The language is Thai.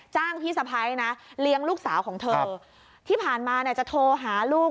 จ้างพี่สะพ้ายเลี้ยงลูกสาวของเธอที่ผ่านมาจะโทรหาลูก